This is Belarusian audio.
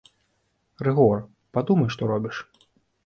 Рыгор, падумай, што робіш!